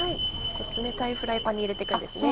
冷たいフライパンに入れていくんですね。